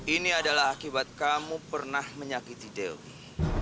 ini adalah akibat kamu pernah menyakiti delhi